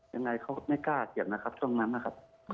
ยังไงเขาไม่กล้าเก็บนะครับช่วงนั้นนะครับ